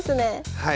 はい。